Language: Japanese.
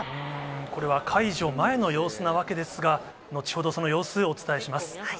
これは解除前の様子なわけですが、後ほど、その様子、お伝えします。